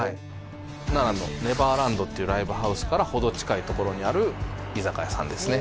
奈良のネバーランドっていうライブハウスから程近いところにある居酒屋さんですね